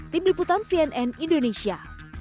tim liputan cnn indonesia